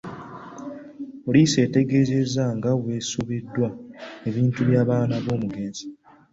Poliisi etegeezezza nga bw'esobeddwa ebintu by'abaana b'omugenzi.